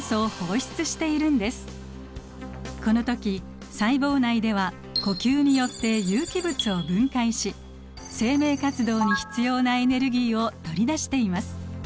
この時細胞内では呼吸によって有機物を分解し生命活動に必要なエネルギーを取り出しています。